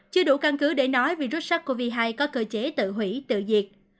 chưa đủ căn cứ để nói virus sars cov hai có cơ chế tự hủy tự diệt